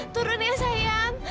turun ya sayang